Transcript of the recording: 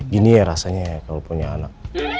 gini ya rasanya ya kalau punya anak